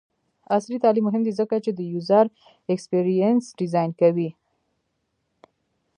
عصري تعلیم مهم دی ځکه چې د یوزر ایکسپیرینس ډیزاین کوي.